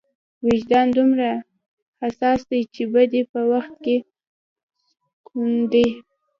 وجدان دومره حساس دی چې بدۍ په وخت کې سکونډي.